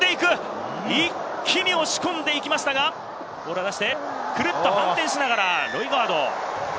一気に押し込んでいきましたが、ボールは出して、クルっと反転しながらロイガード。